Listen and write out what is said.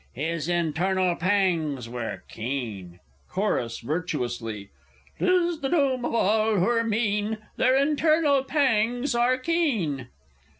_ His internal pangs were keen! Chorus (virtuously). 'Tis the doom of all who're mean, Their internal pangs are keen!